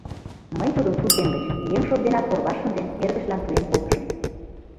Мый тудым суртем гыч, еҥ шот денак орваш шынден, эргычлан пуэн колтышым.